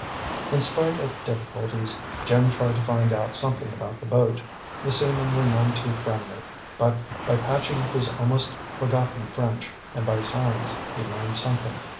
In spite of difficulties, Jim tried to find out something about the boat. The seamen were none too friendly; but by patching up his almost forgotten French and by signs, he learned something.